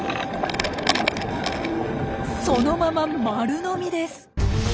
そのまま丸飲みです。